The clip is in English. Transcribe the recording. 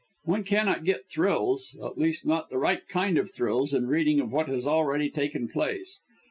One cannot get thrills at least not the right kind of thrills in reading of what has already taken place.